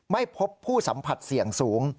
ไม่พบผู้สัมผัสเสี่ยงสูง